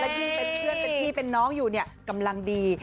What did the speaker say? ยิ่งเป็นเพื่อนเป็นพี่เป็นน้องอยู่เนี่ยกำลังดี